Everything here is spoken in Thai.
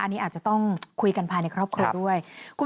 อันนี้อาจจะต้องคุยกันภายในครอบครัวด้วย